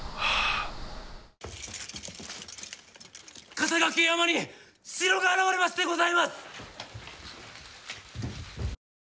笠懸山に城が現れましてございます。